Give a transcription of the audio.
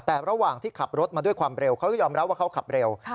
แต่ระหว่างที่ขับรถมาด้วยความเร็วเขาก็ยอมรับว่าเขาขับเร็ว